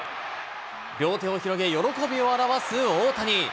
両手を広げ、喜びを表す大谷。